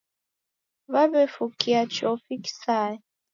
W'aw'efukia chofi kisaya